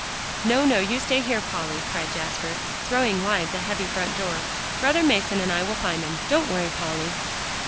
"No, no, you stay here, Polly," cried Jasper, throwing wide the heavy front door. "Brother Mason and I will find him. Don't worry, Polly."